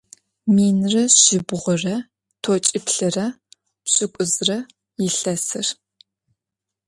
Minre şsibğure t'oç'iplh're pş'ık'uzre yilhesır.